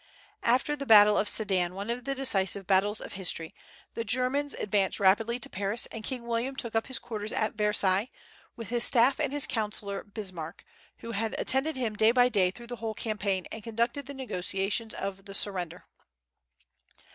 After the battle of Sedan, one of the decisive battles of history, the Germans advanced rapidly to Paris, and King William took up his quarters at Versailles, with his staff and his councillor Bismarck, who had attended him day by day through the whole campaign, and conducted the negotiations of the surrender.